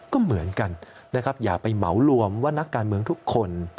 ก็เหมือนกันนะครับอย่าไปเหมารวมว่านักการเมืองทุกคน